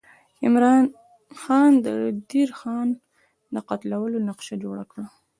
عمرا خان د دیر خان د قتلولو نقشه جوړه کړه.